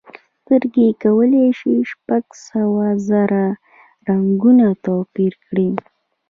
سترګې کولی شي شپږ سوه زره رنګونه توپیر کړي.